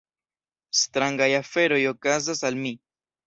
Strangaj aferoj okazas al mi.